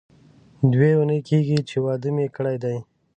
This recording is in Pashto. دوې اونۍ کېږي چې واده مې کړی دی.